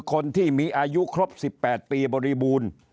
คนที่มีอายุครบ๑๘ปีบริบูรณ์